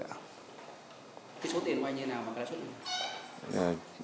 số tiền vay như thế nào